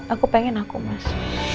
aku pengen aku mas